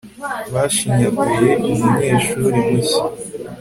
bashinyaguye umunyeshuri mushya